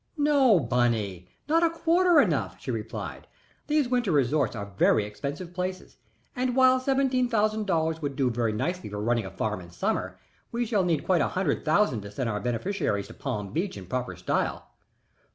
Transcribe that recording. "No, Bunny. Not a quarter enough," she replied. "These winter resorts are very expensive places, and while seventeen thousand dollars would do very nicely for running a farm in summer, we shall need quite a hundred thousand to send our beneficiaries to Palm Beach in proper style."